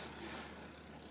oke terima kasih